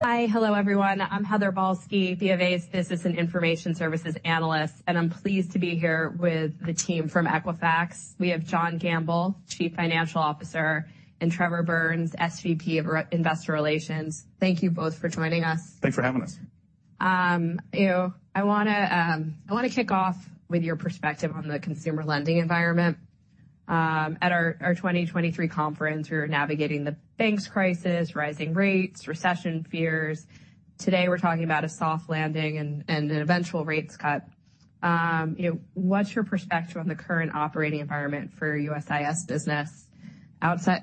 Hi. Hello, everyone. I'm Heather Balsky, BofA's Business and Information Services analyst, and I'm pleased to be here with the team from Equifax. We have John Gamble, Chief Financial Officer, and Trevor Burns, SVP of Investor Relations. Thank you both for joining us. Thanks for having us. You know, I want to kick off with your perspective on the consumer lending environment. At our 2023 conference, we were navigating the banks crisis, rising rates, recession fears. Today, we're talking about a soft landing and an eventual rates cut. You know, what's your perspective on the current operating environment for USIS business outside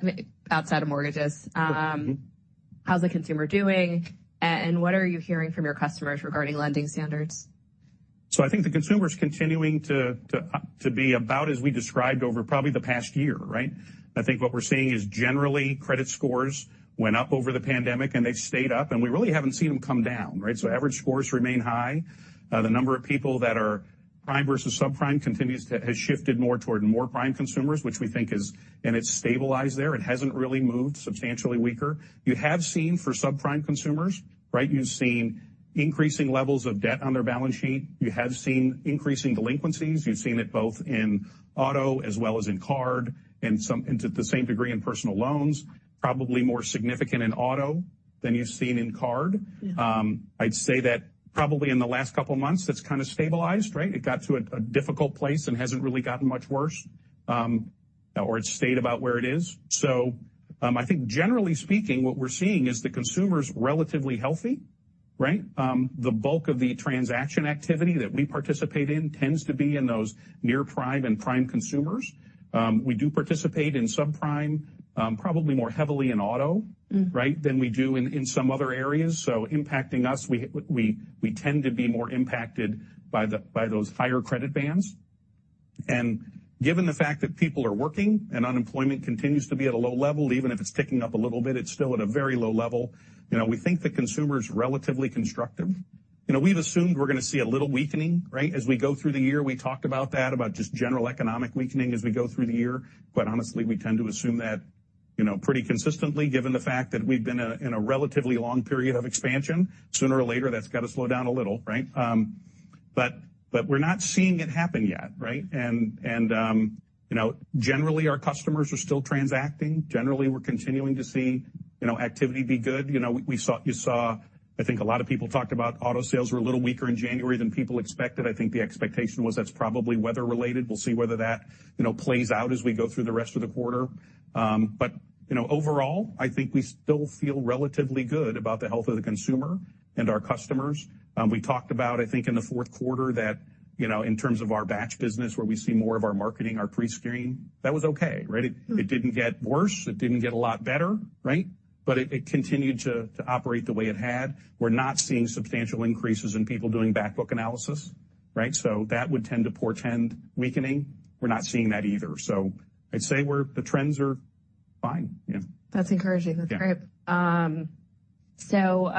of mortgages? How's the consumer doing, and what are you hearing from your customers regarding lending standards? So I think the consumer is continuing to be about as we described over probably the past year, right? I think what we're seeing is generally, credit scores went up over the pandemic, and they've stayed up, and we really haven't seen them come down, right? So average scores remain high. The number of people that are prime versus subprime continues to has shifted more toward more prime consumers, which we think is. And it's stabilized there and hasn't really moved substantially weaker. You have seen for subprime consumers, right, you've seen increasing levels of debt on their balance sheet. You have seen increasing delinquencies. You've seen it both in auto as well as in card and to the same degree in personal loans, probably more significant in auto than you've seen in card. Mm-hmm. I'd say that probably in the last couple of months, that's kind of stabilized, right? It got to a difficult place and hasn't really gotten much worse, or it's stayed about where it is. So, I think generally speaking, what we're seeing is the consumer's relatively healthy, right? The bulk of the transaction activity that we participate in tends to be in those near-prime and prime consumers. We do participate in subprime, probably more heavily in auto- Mm. right? Than we do in some other areas. So impacting us, we tend to be more impacted by those higher credit bands. And given the fact that people are working and unemployment continues to be at a low level, even if it's ticking up a little bit, it's still at a very low level. You know, we think the consumer is relatively constructive. You know, we've assumed we're going to see a little weakening, right, as we go through the year. We talked about that, about just general economic weakening as we go through the year. Quite honestly, we tend to assume that, you know, pretty consistently, given the fact that we've been in a relatively long period of expansion. Sooner or later, that's got to slow down a little, right? But we're not seeing it happen yet, right? You know, generally, our customers are still transacting. Generally, we're continuing to see, you know, activity be good. You know, you saw, I think a lot of people talked about auto sales were a little weaker in January than people expected. I think the expectation was that's probably weather related. We'll see whether that, you know, plays out as we go through the rest of the quarter. You know, overall, I think we still feel relatively good about the health of the consumer and our customers. We talked about, I think, in the fourth quarter, that, you know, in terms of our batch business, where we see more of our marketing, our prescreening, that was okay, right? Mm. It didn't get worse. It didn't get a lot better, right? But it, it continued to, to operate the way it had. We're not seeing substantial increases in people doing back book analysis, right? So that would tend to portend weakening. We're not seeing that either. So I'd say we're, the trends are fine. Yeah. That's encouraging. Yeah. That's great. So,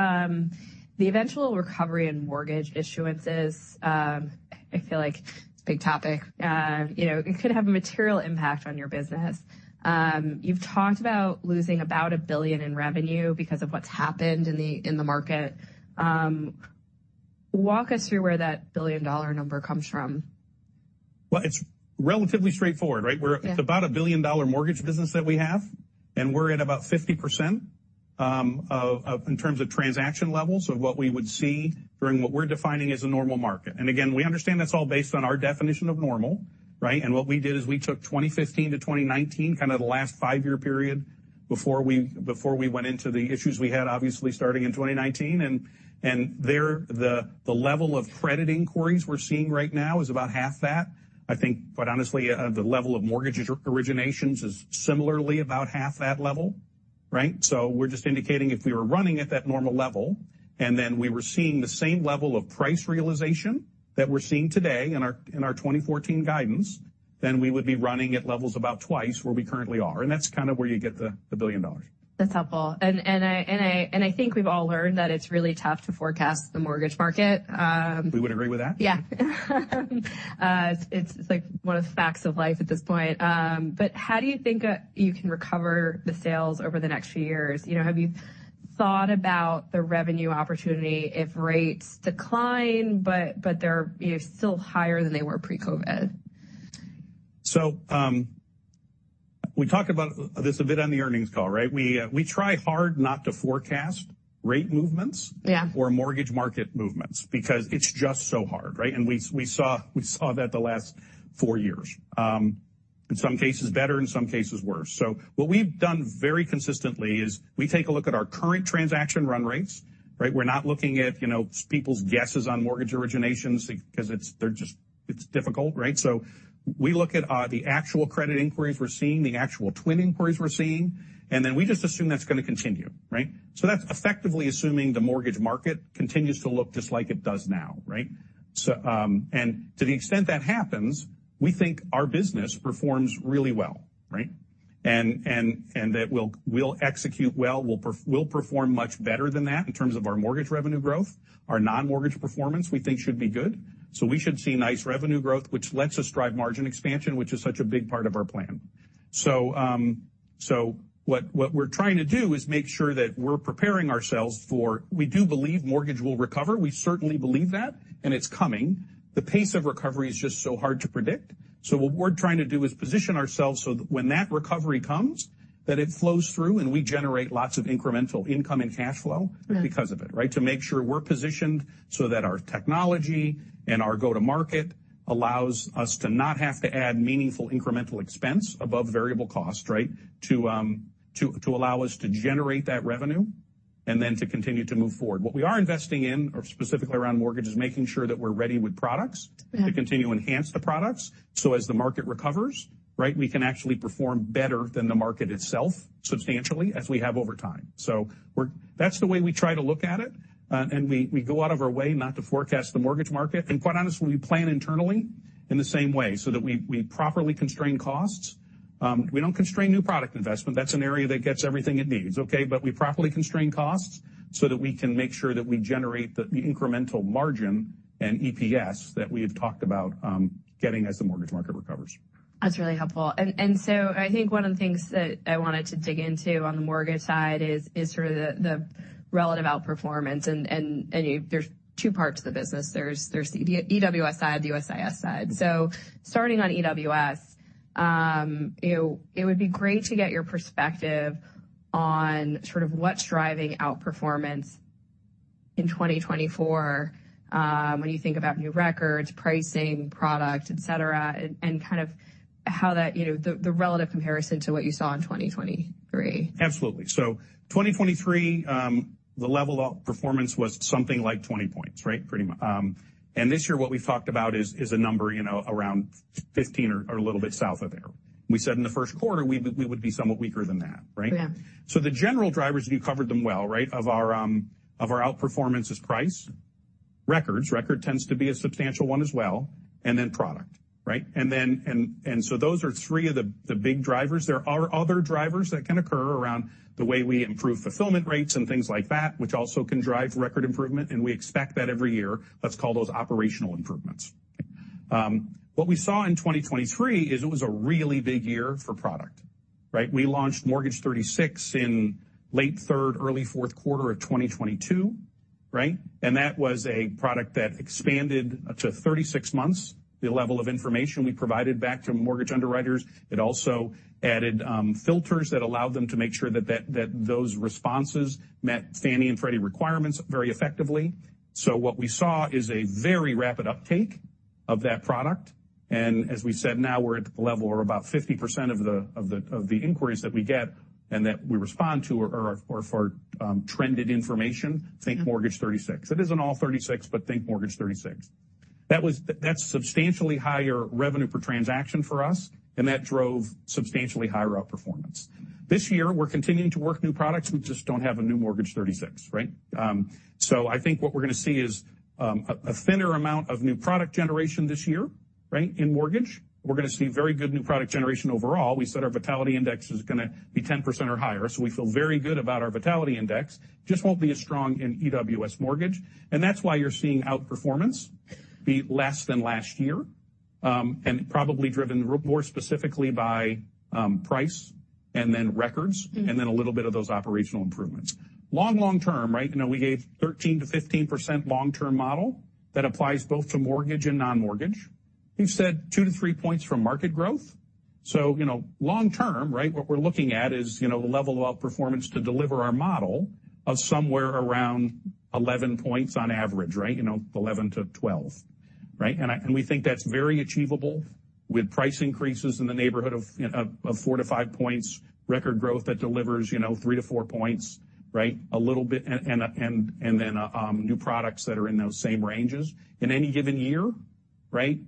the eventual recovery in mortgage issuances, I feel like it's a big topic. You know, it could have a material impact on your business. You've talked about losing about $1 billion in revenue because of what's happened in the, in the market. Walk us through where that $1 billion-dollar number comes from. Well, it's relatively straightforward, right? Yeah. It's about a billion-dollar mortgage business that we have, and we're at about 50% in terms of transaction levels of what we would see during what we're defining as a normal market. And again, we understand that's all based on our definition of normal, right? And what we did is we took 2015 to 2019, kind of the last five-year period before we went into the issues we had, obviously, starting in 2019, and there, the level of credit inquiries we're seeing right now is about half that. I think, quite honestly, the level of mortgage originations is similarly about half that level, right? We're just indicating if we were running at that normal level, and then we were seeing the same level of price realization that we're seeing today in our 2014 guidance, then we would be running at levels about twice where we currently are, and that's kind of where you get the $1 billion. That's helpful. And I think we've all learned that it's really tough to forecast the mortgage market. We would agree with that. Yeah. It's like one of the facts of life at this point. But how do you think you can recover the sales over the next few years? You know, have you thought about the revenue opportunity if rates decline, but they're, you know, still higher than they were pre-COVID? So, we talked about this a bit on the earnings call, right? We try hard not to forecast rate movements- Yeah. or mortgage market movements because it's just so hard, right? And we, we saw, we saw that the last four years, in some cases better, in some cases worse. So what we've done very consistently is we take a look at our current transaction run rates, right? We're not looking at, you know, people's guesses on mortgage originations because it's, they're just, it's difficult, right? We look at the actual credit inquiries we're seeing, the actual TWN inquiries we're seeing, and then we just assume that's going to continue, right? So that's effectively assuming the mortgage market continues to look just like it does now, right? So, and to the extent that happens, we think our business performs really well, right? And, and, and that we'll, we'll execute well, we'll perform much better than that in terms of our mortgage revenue growth. Our non-mortgage performance, we think should be good. So we should see nice revenue growth, which lets us drive margin expansion, which is such a big part of our plan. So what we're trying to do is make sure that we're preparing ourselves for, we do believe mortgage will recover. We certainly believe that, and it's coming. The pace of recovery is just so hard to predict. So what we're trying to do is position ourselves so that when that recovery comes, that it flows through, and we generate lots of incremental income and cash flow because of it, right? To make sure we're positioned so that our technology and our go-to-market allows us to not have to add meaningful incremental expense above variable cost, right? To allow us to generate that revenue and then to continue to move forward. What we are investing in, specifically around mortgage, is making sure that we're ready with products, to continue to enhance the products, so as the market recovers, right, we can actually perform better than the market itself, substantially, as we have over time. So we're—that's the way we try to look at it. And we go out of our way not to forecast the mortgage market. Quite honestly, we plan internally in the same way, so that we properly constrain costs. We don't constrain new product investment. That's an area that gets everything it needs, okay? But we properly constrain costs so that we can make sure that we generate the incremental margin and EPS that we have talked about, getting as the mortgage market recovers. That's really helpful. So I think one of the things that I wanted to dig into on the mortgage side is sort of the relative outperformance. And there's two parts to the business. There's the EWS side, the USIS side. So starting on EWS, you know, it would be great to get your perspective on sort of what's driving outperformance in 2024, when you think about new records, pricing, product, et cetera, and kind of how that, you know, the relative comparison to what you saw in 2023. Absolutely. So 2023, the level of performance was something like 20 points, right? Pretty much. And this year, what we've talked about is a number, you know, around 15 or a little bit south of there. We said in the first quarter, we would be somewhat weaker than that, right? Yeah. So the general drivers, you covered them well, right? Of our outperformance is price, records, record tends to be a substantial one as well, and then product, right? And so those are three of the big drivers. There are other drivers that can occur around the way we improve fulfillment rates and things like that, which also can drive record improvement, and we expect that every year. Let's call those operational improvements. What we saw in 2023 is it was a really big year for product, right? We launched Mortgage 36 in late third, early fourth quarter of 2022, right? And that was a product that expanded to 36 months, the level of information we provided back to mortgage underwriters. It also added filters that allowed them to make sure that those responses met Fannie and Freddie requirements very effectively. So what we saw is a very rapid uptake of that product, and as we said, now we're at the level where about 50% of the inquiries that we get and that we respond to are for trended information, think Mortgage 36. It isn't all 36, but think Mortgage 36. That's substantially higher revenue per transaction for us, and that drove substantially higher outperformance. This year, we're continuing to work new products. We just don't have a new Mortgage 36, right? So I think what we're going to see is a thinner amount of new product generation this year, right, in mortgage. We're going to see very good new product generation overall. We said our Vitality Index is going to be 10% or higher, so we feel very good about our Vitality Index. Just won't be as strong in EWS mortgage, and that's why you're seeing outperformance be less than last year, and probably driven more specifically by, price and then records, and then a little bit of those operational improvements. Long, long term, right, you know, we gave 13%-15% long-term model. That applies both to mortgage and non-mortgage. We've said 2-3 points from market growth. So, you know, long term, right, what we're looking at is, you know, the level of outperformance to deliver our model of somewhere around 11 points on average, right? You know, 11-12, right? And I... We think that's very achievable with price increases in the neighborhood of four to five points, record growth that delivers, you know, 3-4 points, right? A little bit, and then new products that are in those same ranges. In any given year, right,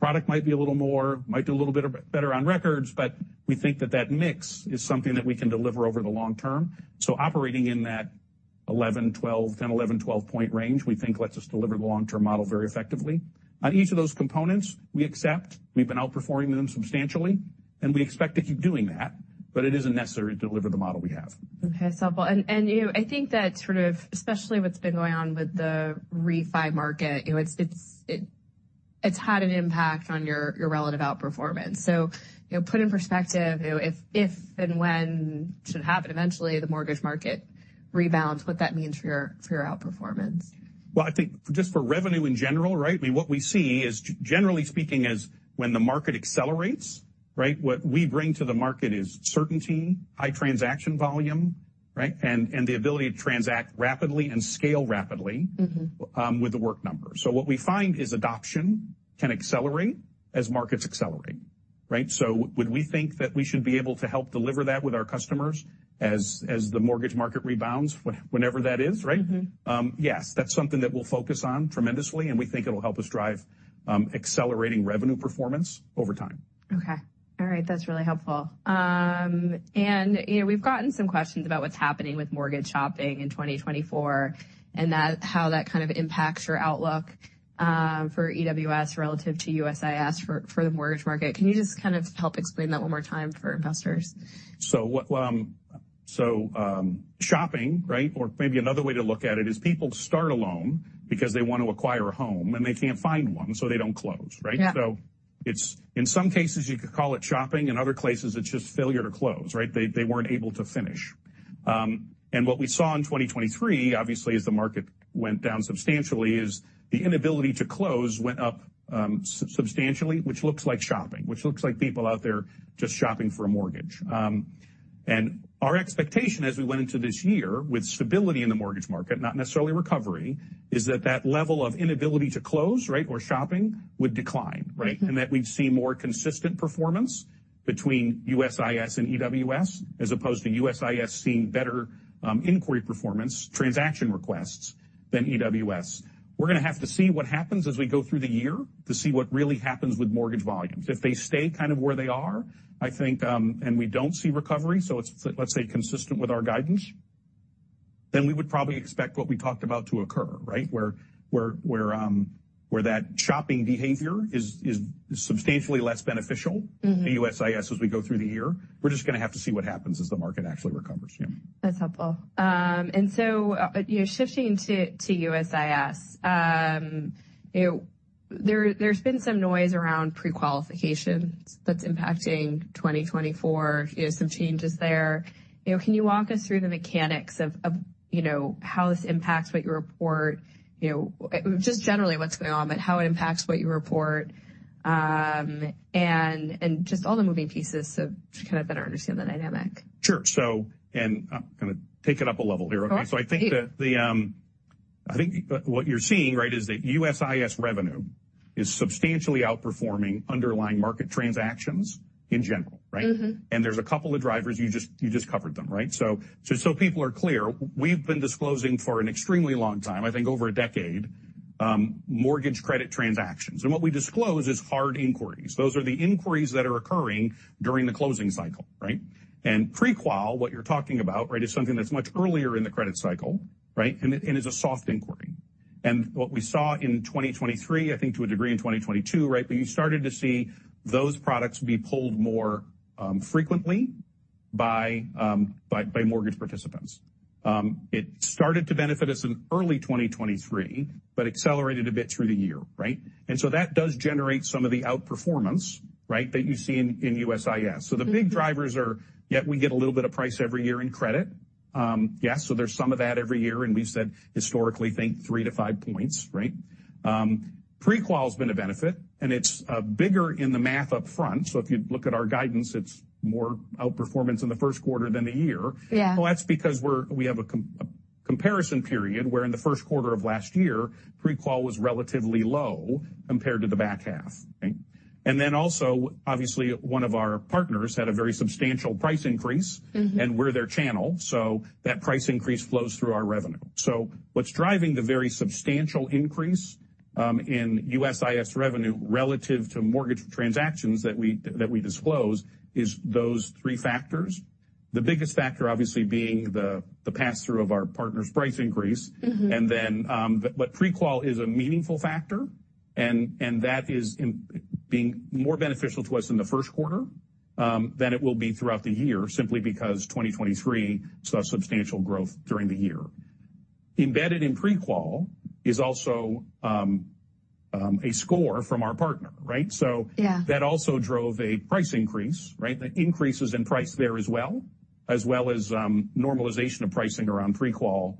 product might be a little more, might do a little bit better on records, but we think that that mix is something that we can deliver over the long term. Operating in that 11-12, 10-11-12-point range, we think lets us deliver the long-term model very effectively. On each of those components, we actually we've been outperforming them substantially, and we expect to keep doing that, but it isn't necessary to deliver the model we have. Okay, so you know, I think that sort of especially what's been going on with the refi market, you know, it's had an impact on your relative outperformance. So, you know, put in perspective, you know, if and when should happen, eventually, the mortgage market rebounds, what that means for your outperformance. Well, I think just for revenue in general, right? I mean, what we see is, generally speaking, is when the market accelerates, right, what we bring to the market is certainty, high transaction volume, right, and, and the ability to transact rapidly and scale rapidly- Mm-hmm. with The Work Number. So what we find is adoption can accelerate as markets accelerate, right? So would we think that we should be able to help deliver that with our customers as the mortgage market rebounds, whenever that is, right? Mm-hmm. Yes, that's something that we'll focus on tremendously, and we think it'll help us drive accelerating revenue performance over time. Okay. All right. That's really helpful. And, you know, we've gotten some questions about what's happening with mortgage shopping in 2024, and that, how that kind of impacts your outlook, for EWS relative to USIS for, for the mortgage market. Can you just kind of help explain that one more time for investors? So, shopping, right? Or maybe another way to look at it is people start a loan because they want to acquire a home, and they can't find one, so they don't close, right? Yeah. It's, in some cases, you could call it shopping. In other places, it's just failure to close, right? They weren't able to finish. And what we saw in 2023, obviously, as the market went down substantially, is the inability to close went up substantially, which looks like shopping, which looks like people out there just shopping for a mortgage. And our expectation as we went into this year with stability in the mortgage market, not necessarily recovery, is that that level of inability to close, right, or shopping would decline, right? Mm-hmm. That we'd see more consistent performance between USIS and EWS, as opposed to USIS seeing better inquiry performance, transaction requests than EWS. We're going to have to see what happens as we go through the year to see what really happens with mortgage volumes. If they stay kind of where they are, I think, and we don't see recovery, so it's, let's say, consistent with our guidance, then we would probably expect what we talked about to occur, right? Where that shopping behavior is substantially less beneficial- Mm-hmm. for USIS as we go through the year. We're just going to have to see what happens as the market actually recovers. Yeah. That's helpful. And so, you know, shifting to, to USIS, you know, there, there's been some noise around pre-qualification that's impacting 2024. You know, some changes there. You know, can you walk us through the mechanics of, of, you know, how this impacts what you report? You know, just generally what's going on, but how it impacts what you report, and, and just all the moving pieces to kind of better understand the dynamic. Sure. So, and I'm going to take it up a level here. All right. I think what you're seeing, right, is that USIS revenue is substantially outperforming underlying market transactions in general, right? Mm-hmm. There's a couple of drivers. You just covered them, right? So people are clear, we've been disclosing for an extremely long time, I think over a decade, mortgage credit transactions. What we disclose is hard inquiries. Those are the inquiries that are occurring during the closing cycle, right? Pre-qual, what you're talking about, right, is something that's much earlier in the credit cycle, right? And is a soft inquiry. What we saw in 2023, I think to a degree in 2022, right? But you started to see those products be pulled more frequently by mortgage participants. It started to benefit us in early 2023, but accelerated a bit through the year, right? So that does generate some of the outperformance, right, that you see in USIS. Mm-hmm. The big drivers are, yeah we get a little bit of price every year in credit. Yes, so there's some of that every year, and we've said historically, think 3-5 points, right? Pre-qual has been a benefit, and it's bigger in the math up front. So if you look at our guidance, it's more outperformance in the first quarter than the year. Yeah. Well, that's because we have a comparison period where in the first quarter of last year, pre-qual was relatively low compared to the back half. And then also, obviously, one of our partners had a very substantial price increase- Mm-hmm. We're their channel, so that price increase flows through our revenue. So what's driving the very substantial increase in USIS revenue relative to mortgage transactions that we disclose is those three factors. The biggest factor obviously being the pass-through of our partner's price increase. Mm-hmm. Pre-qual is a meaningful factor, and that is being more beneficial to us in the first quarter than it will be throughout the year, simply because 2023 saw substantial growth during the year. Embedded in pre-qual is also a score from our partner, right? Yeah. That also drove a price increase, right? The increases in price there as well, as well as, normalization of pricing around pre-qual,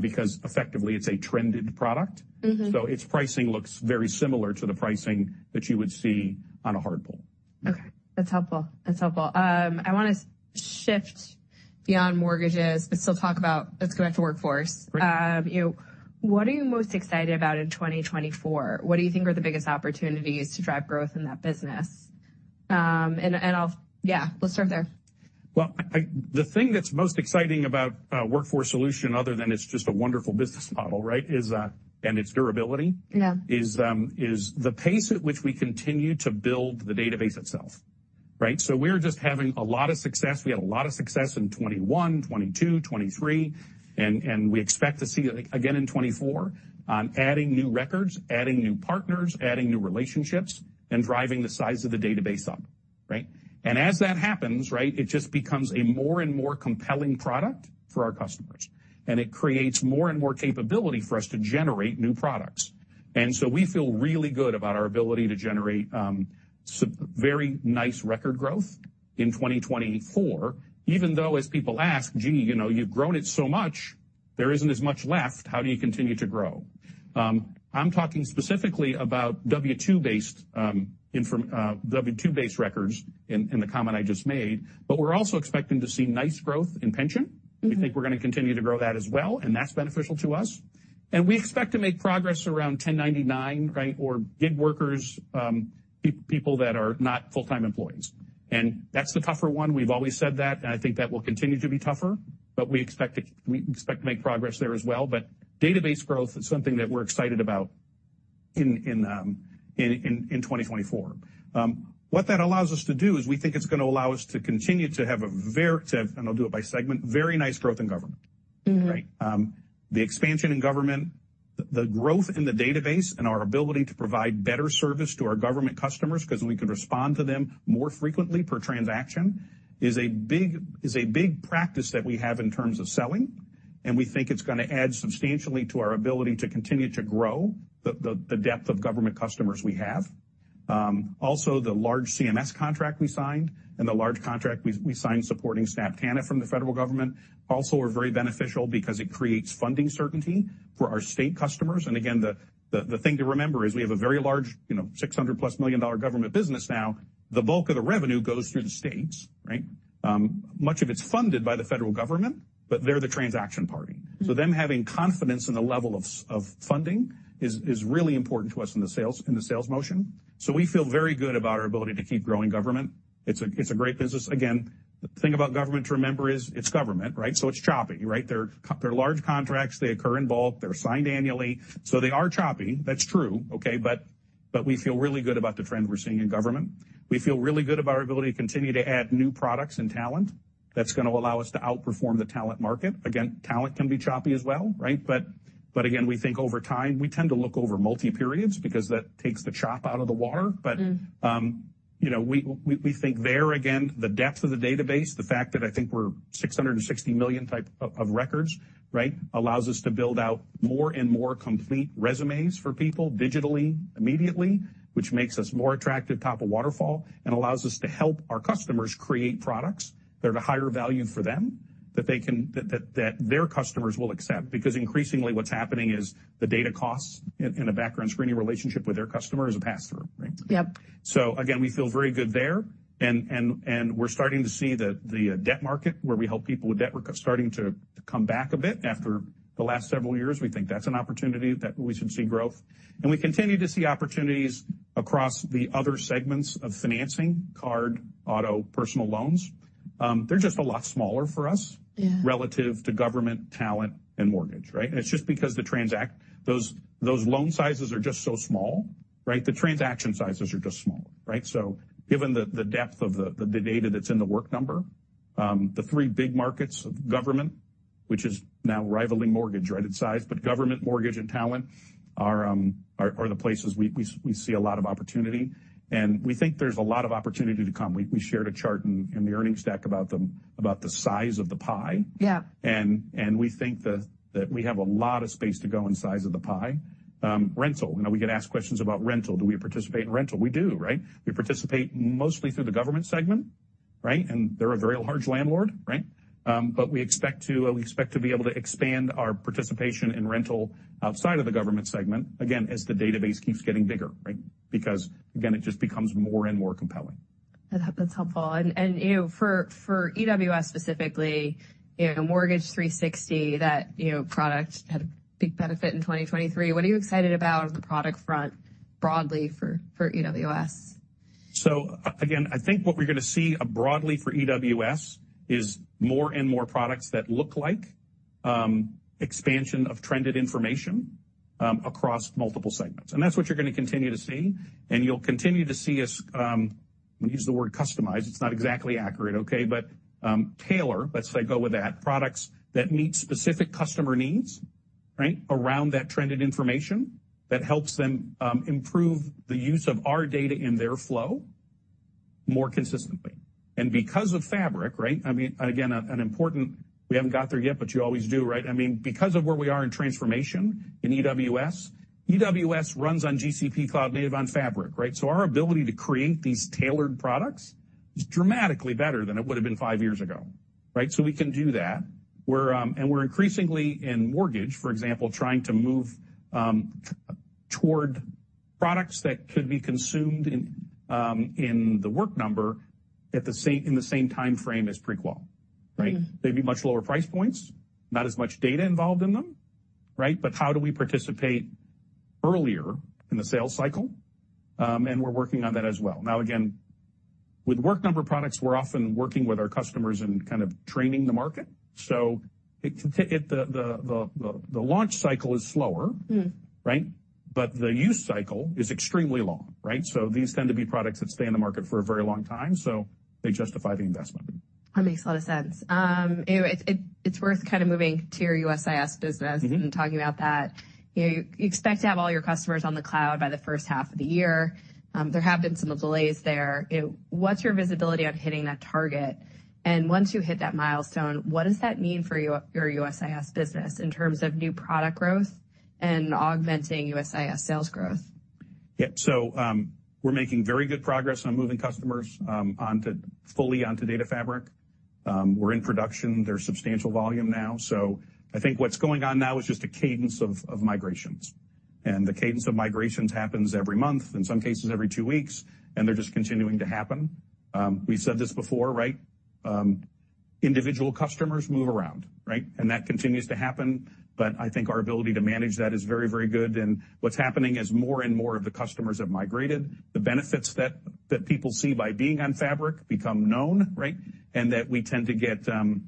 because effectively, it's a trended product. Mm-hmm. Its pricing looks very similar to the pricing that you would see on a hard pull. Okay, that's helpful. That's helpful. I want to shift beyond mortgages, but still talk about... Let's go back to Workforce. Right. You know, what are you most excited about in 2024? What do you think are the biggest opportunities to drive growth in that business? Yeah, let's start there. Well, the thing that's most exciting about Workforce Solutions, other than it's just a wonderful business model, right, is and its durability- Yeah. is the pace at which we continue to build the database itself, right? So we're just having a lot of success. We had a lot of success in 2021, 2022, 2023, and we expect to see again in 2024 on adding new records, adding new partners, adding new relationships, and driving the size of the database up, right? As that happens, right, it just becomes a more and more compelling product for our customers, and it creates more and more capability for us to generate new products. And so we feel really good about our ability to generate some very nice record growth in 2024, even though as people ask, "Gee, you know, you've grown it so much, there isn't as much left. How do you continue to grow? I'm talking specifically about W-2 based income, W-2 based records in the comment I just made, but we're also expecting to see nice growth in pension. Mm-hmm. We think we're going to continue to grow that as well, and that's beneficial to us. We expect to make progress around 1099, right, or gig workers, people that are not full-time employees. That's the tougher one. We've always said that, and I think that will continue to be tougher, but we expect to make progress there as well. Database growth is something that we're excited about in 2024. What that allows us to do is we think it's going to allow us to continue to have a very, and I'll do it by segment, very nice growth in government. The expansion in government, the growth in the database, and our ability to provide better service to our government customers, because we can respond to them more frequently per transaction, is a big practice that we have in terms of selling, and we think it's going to add substantially to our ability to continue to grow the depth of government customers we have. Also, the large CMS contract we signed and the large contract we signed supporting SNAP-TANF from the federal government also are very beneficial because it creates funding certainty for our state customers. And again, the thing to remember is we have a very large, you know, $600+ million government business now. The bulk of the revenue goes through the states, right? Much of it's funded by the federal government, but they're the transaction party. So them having confidence in the level of funding is really important to us in the sales motion. So we feel very good about our ability to keep growing government. It's a great business. Again, the thing about government to remember is it's government, right? So it's choppy, right? They're large contracts. They occur in bulk. They're signed annually, so they are choppy. That's true, but we feel really good about the trend we're seeing in government. We feel really good about our ability to continue to add new products and talent. That's going to allow us to outperform the talent market. Again, talent can be choppy as well, right? But again, we think over time, we tend to look over multi periods because that takes the chop out of the water. Mm-hmm. You know, we think, again, the depth of the database, the fact that I think we're 660 million type of records, right? Allows us to build out more and more complete resumes for people digitally, immediately, which makes us more attractive top of waterfall, and allows us to help our customers create products that are higher value for them, that they can... That their customers will accept. Because increasingly, what's happening is the data costs in a background screening relationship with their customer is a pass-through, right? Yep. Again, we feel very good there, and we're starting to see the debt market, where we help people with debt, starting to come back a bit after the last several years. We think that's an opportunity that we should see growth, and we continue to see opportunities across the other segments of financing, card, auto, personal loans. They're just a lot smaller for us- Yeah. -relative to government, talent, and mortgage, right? And it's just because the transaction sizes are just so small, right? The transaction sizes are just smaller, right? So given the depth of the data that's in the Work Number, the three big markets, government, which is now rivaling mortgage, right, in size. But government, mortgage, and talent are the places we see a lot of opportunity, and we think there's a lot of opportunity to come. We shared a chart in the earnings deck about the size of the pie. Yeah. We think that we have a lot of space to go in size of the pie. Rental, you know, we get asked questions about rental. Do we participate in rental? We do, right? We participate mostly through the government segment, right? And they're a very large landlord, right? But we expect to be able to expand our participation in rental outside of the government segment, again, as the database keeps getting bigger, right? Because, again, it just becomes more and more compelling. That's helpful. And you know, for EWS specifically, you know, Mortgage 360, that you know, product had a big benefit in 2023. What are you excited about on the product front, broadly for EWS? Again, I think what we're going to see broadly for EWS is more and more products that look like expansion of trended information across multiple segments. And that's what you're going to continue to see, and you'll continue to see us, we use the word customize, it's not exactly accurate, okay? But tailor, let's say, go with that. Products that meet specific customer needs, right? Around that trended information that helps them improve the use of our data in their flow more consistently. And because of Fabric, right? I mean, again, an important... We haven't got there yet, but you always do, right? I mean, because of where we are in transformation in EWS, EWS runs on GCP Cloud, native on Fabric, right? So our ability to create these tailored products is dramatically better than it would have been five years ago, right? We can do that. We're increasingly in mortgage, for example, trying to move toward products that could be consumed in the Work Number at the same time frame as pre-qual, right? Mm-hmm. They'd be much lower price points, not as much data involved in them, right? But how do we participate earlier in the sales cycle? We're working on that as well. Now, again, with Work Number products, we're often working with our customers and kind of training the market. So it can take... The launch cycle is slower- Mm-hmm. Right? But the use cycle is extremely long, right? So these tend to be products that stay in the market for a very long time, so they justify the investment. That makes a lot of sense. It's worth kind of moving to your USIS business- Mm-hmm. Talking about that. You know, you expect to have all your customers on the cloud by the first half of the year. There have been some delays there. What's your visibility on hitting that target? And once you hit that milestone, what does that mean for your USIS business in terms of new product growth and augmenting USIS sales growth? Yeah. So, we're making very good progress on moving customers onto fully onto Data Fabric. We're in production. There's substantial volume now, so I think what's going on now is just a cadence of migrations. And the cadence of migrations happens every month, in some cases, every two weeks, and they're just continuing to happen. We've said this before, right? Individual customers move around, right? And that continues to happen. But I think our ability to manage that is very, very good. And what's happening is more and more of the customers have migrated. The benefits that people see by being on Fabric become known, right? And that we tend to get the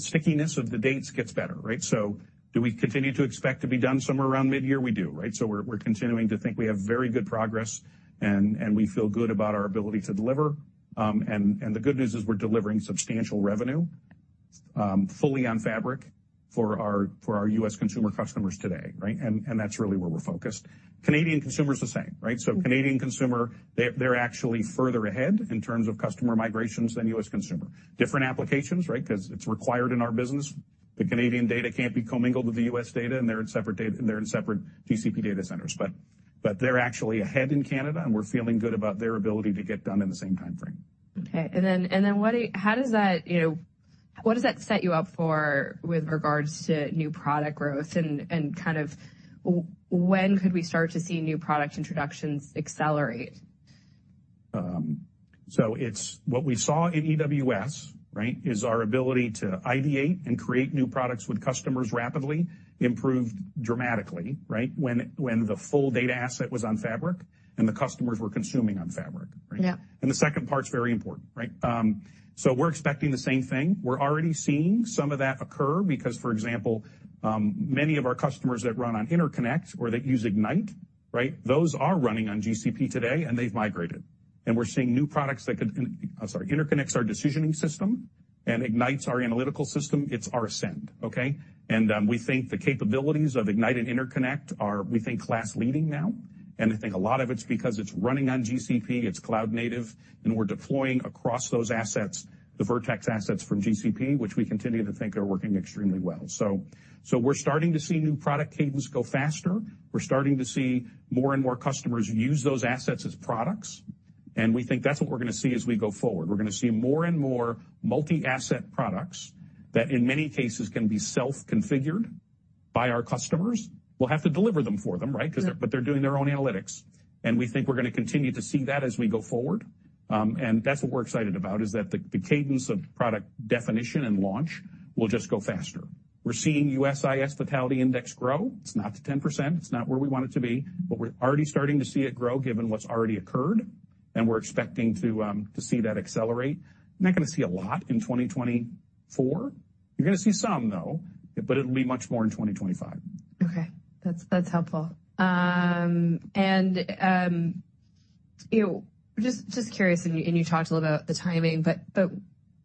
stickiness of the data gets better, right? So do we continue to expect to be done somewhere around mid-year? We do, right? We're continuing to think we have very good progress, and we feel good about our ability to deliver. The good news is we're delivering substantial revenue fully on Fabric for our U.S. consumer customers today, right? And that's really where we're focused. Canadian consumer is the same, right? So Canadian consumer, they're actually further ahead in terms of customer migrations than U.S. consumer. Different applications, right? Because it's required in our business. The Canadian data can't be commingled with the U.S. data, and they're in separate GCP data centers. But they're actually ahead in Canada, and we're feeling good about their ability to get done in the same time frame. Okay, and then how does that... You know, what does that set you up for with regards to new product growth and, and kind of, when could we start to see new product introductions accelerate? It's what we saw in EWS, right, is our ability to ideate and create new products with customers rapidly, improved dramatically, right? When the full data asset was on Fabric and the customers were consuming on Fabric, right? Yeah. The second part's very important, right? So we're expecting the same thing. We're already seeing some of that occur because, for example, many of our customers that run on InterConnect or that use Ignite, right, those are running on GCP today, and they've migrated. And we're seeing new products that could... I'm sorry, InterConnect's our decisioning system, and Ignite's our analytical system. It's our Ascend, okay? And we think the capabilities of Ignite and InterConnect are, we think, class-leading now, and I think a lot of it's because it's running on GCP, it's cloud native, and we're deploying across those assets, the Vertex assets from GCP, which we continue to think are working extremely well. So we're starting to see new product cadence go faster. We're starting to see more and more customers use those assets as products, and we think that's what we're gonna see as we go forward. We're gonna see more and more multi-asset products that, in many cases, can be self-configured by our customers. We'll have to deliver them for them, right? Yeah. They're doing their own analytics, and we think we're gonna continue to see that as we go forward. And that's what we're excited about, is that the cadence of product definition and launch will just go faster. We're seeing USIS vitality index grow. It's not to 10%. It's not where we want it to be, but we're already starting to see it grow, given what's already occurred, and we're expecting to see that accelerate. Not gonna see a lot in 2024. You're gonna see some, though, but it'll be much more in 2025. Okay, that's helpful. You know, just curious, and you talked a little about the timing, but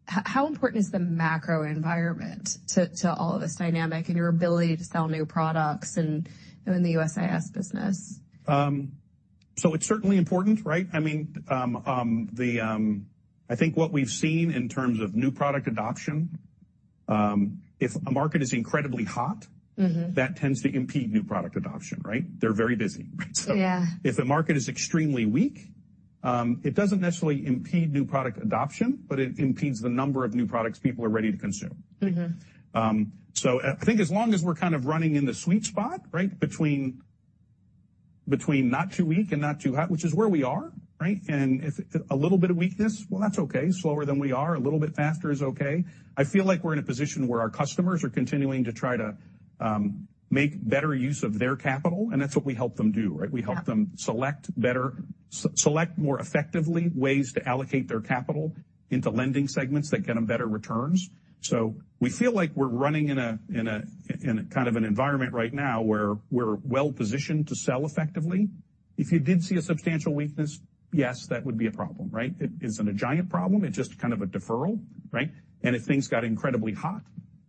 how important is the macro environment to all of this dynamic and your ability to sell new products and in the USIS business? So it's certainly important, right? I mean, I think what we've seen in terms of new product adoption, if a market is incredibly hot- Mm-hmm. that tends to impede new product adoption, right? They're very busy, right? So- Yeah. If a market is extremely weak, it doesn't necessarily impede new product adoption, but it impedes the number of new products people are ready to consume. Mm-hmm. I think as long as we're kind of running in the sweet spot, right? Between not too weak and not too high, which is where we are, right? And if a little bit of weakness, well, that's okay. Slower than we are, a little bit faster is okay. I feel like we're in a position where our customers are continuing to try to make better use of their capital, and that's what we help them do, right? Yeah. We help them select better, select more effectively ways to allocate their capital into lending segments that get them better returns. So we feel like we're running in a kind of an environment right now, where we're well-positioned to sell effectively. If you did see a substantial weakness, yes, that would be a problem, right? It isn't a giant problem. It's just kind of a deferral, right? And if things got incredibly hot,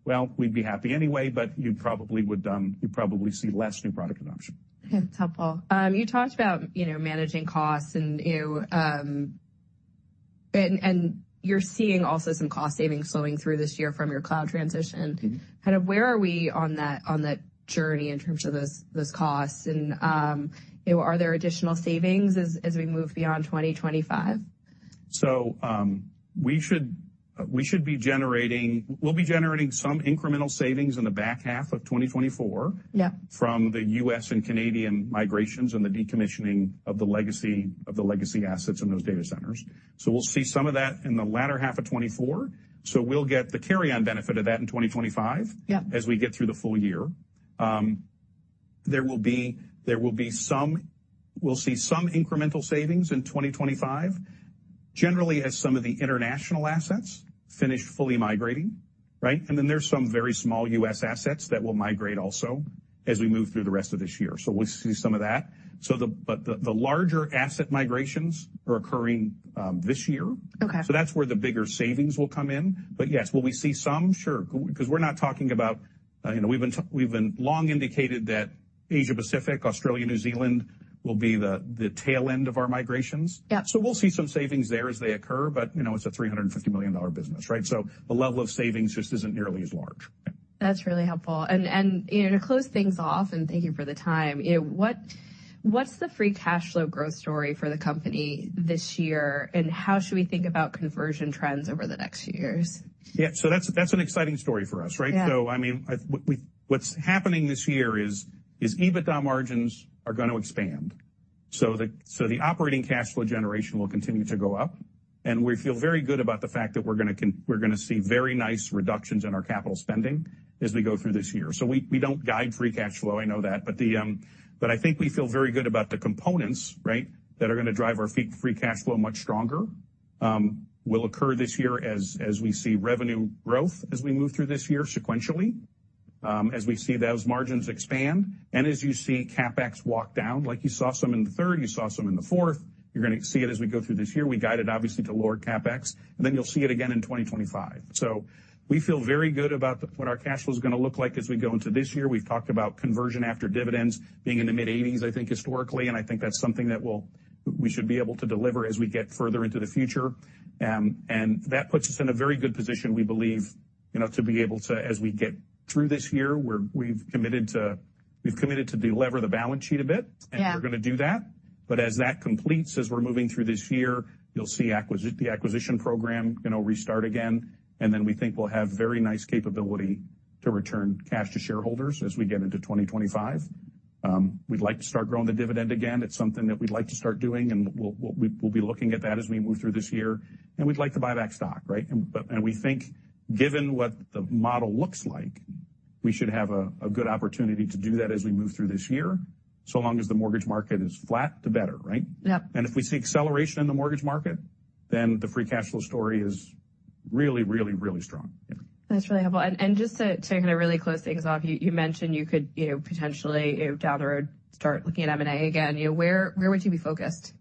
well, we'd be happy anyway, but you probably would, you'd probably see less new product adoption. Yeah, helpful. You talked about, you know, managing costs, and you're seeing also some cost savings flowing through this year from your cloud transition. Mm-hmm. Kind of where are we on that, on that journey in terms of those, those costs? And, are there additional savings as, as we move beyond 2025? We should be generating... We'll be generating some incremental savings in the back half of 2024- Yeah... from the U.S. and Canadian migrations and the decommissioning of the legacy, of the legacy assets in those data centers. So we'll see some of that in the latter half of 2024. So we'll get the carry-on benefit of that in 2025- Yeah... as we get through the full year. There will be, there will be some, we'll see some incremental savings in 2025, generally as some of the international assets finish fully migrating, right? And then there's some very small U.S. assets that will migrate also, as we move through the rest of this year. So we'll see some of that. But the larger asset migrations are occurring this year. Okay. That's where the bigger savings will come in, but yes, will we see some? Sure, 'cause we're not talking about, you know, we've long indicated that Asia-Pacific, Australia, New Zealand, will be the tail end of our migrations. Yeah. We'll see some savings there as they occur, but, you know, it's a $350 million business, right? The level of savings just isn't nearly as large. That's really helpful. And, you know, to close things off, and thank you for the time, you know, what's the free cash flow growth story for the company this year, and how should we think about conversion trends over the next few years? Yeah, so that's, that's an exciting story for us, right? Yeah. I mean, what we've... What's happening this year is EBITDA margins are gonna expand. So the operating cash flow generation will continue to go up, and we feel very good about the fact that we're gonna see very nice reductions in our capital spending as we go through this year. We don't guide free cash flow, I know that, but I think we feel very good about the components, right, that are gonna drive our free cash flow much stronger, will occur this year as we see revenue growth as we move through this year sequentially. As we see those margins expand and as you see CapEx walk down, like you saw some in the third, you saw some in the fourth, you're going to see it as we go through this year. We guided, obviously, to lower CapEx, and then you'll see it again in 2025. So we feel very good about what our cash flow is going to look like as we go into this year. We've talked about conversion after dividends being in the mid-80s, I think, historically, and I think that's something that we should be able to deliver as we get further into the future. And that puts us in a very good position, we believe, you know, to be able to, as we get through this year, where we've committed to delever the balance sheet a bit. Yeah. We're going to do that. But as that completes, as we're moving through this year, you'll see the acquisition program, you know, restart again, and then we think we'll have very nice capability to return cash to shareholders as we get into 2025. We'd like to start growing the dividend again. It's something that we'd like to start doing, and we'll be looking at that as we move through this year. And we'd like to buy back stock, right? But and we think given what the model looks like, we should have a good opportunity to do that as we move through this year. So long as the mortgage market is flat, the better, right? Yep. If we see acceleration in the mortgage market, then the free cash flow story is really, really, really strong. Yeah. That's really helpful. Just to kind of really close things off, you mentioned you could, you know, potentially, you know, down the road, start looking at M&A again. You know, where would you be focused?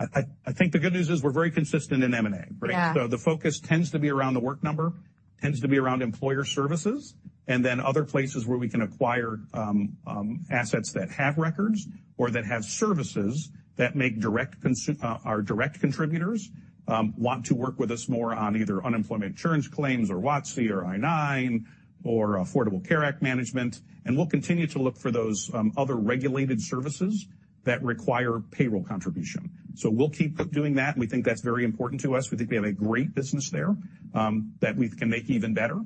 I think the good news is we're very consistent in M&A, right? Yeah. The focus tends to be around The Work Number, tends to be around employer services, and then other places where we can acquire assets that have records or that have services that make our direct contributors want to work with us more on either unemployment insurance claims or WOTC or I-9 or Affordable Care Act management. And we'll continue to look for those other regulated services that require payroll contribution. So we'll keep doing that, and we think that's very important to us. We think we have a great business there that we can make even better.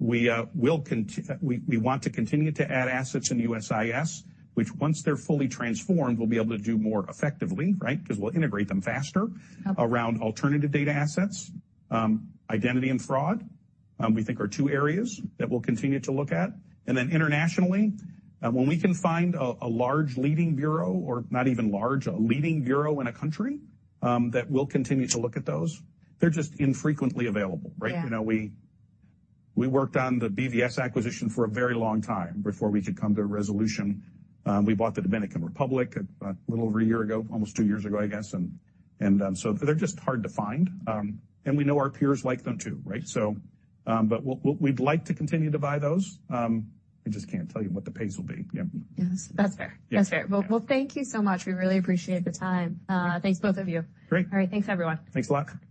We want to continue to add assets in the USIS, which once they're fully transformed, we'll be able to do more effectively, right? Because we'll integrate them faster. Okay. Around alternative data assets, identity and fraud, we think are two areas that we'll continue to look at. And then internationally, when we can find a large leading bureau, or not even large, a leading bureau in a country, that we'll continue to look at those. They're just infrequently available, right? Yeah. You know, we worked on the BVS acquisition for a very long time before we could come to a resolution. We bought the Dominican Republic a little over a year ago, almost two years ago, I guess. So they're just hard to find. And we know our peers like them, too, right? But we'd like to continue to buy those. I just can't tell you what the pace will be. Yeah. Yes, that's fair. Yeah. That's fair. Yeah. Well, well, thank you so much. We really appreciate the time. Thanks, both of you. Great. All right. Thanks, everyone. Thanks a lot.